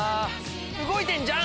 動いてんじゃん！